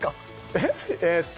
えっえと